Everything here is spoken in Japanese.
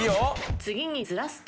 次にずらすと？